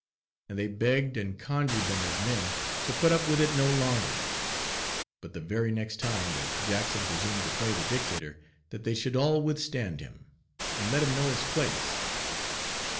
And they begged and conjured them as men, to put up with it no longer, but the very next time, that Jackson presumed to play the dictator, that they should all withstand him, and let him know his place.